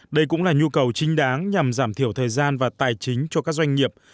đây cũng là nhu cầu trinh đáng nhằm giảm thiểu thời gian và tài chính cho các doanh nghiệp